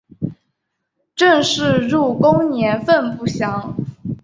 郑氏入宫年份不详。